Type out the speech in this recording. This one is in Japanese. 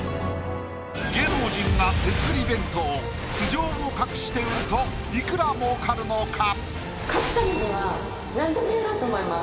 芸能人が手作り弁当素性を隠して売るといくら儲かるのか？